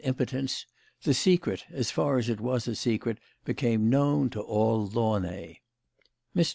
131 impotence, the secret as far as it was a secret became known to all Launay. Mr.